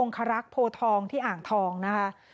คารักษ์โพทองที่อ่างทองนะคะ